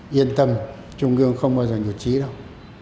yên tâm trung ương không bao giờ nhụt trí đâu